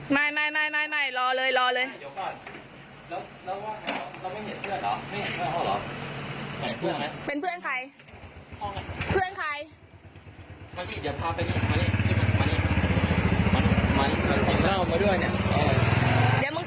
หล่อหล่อเดี๋ยวก่อนเราไม่เห็นเพื่อนหรอ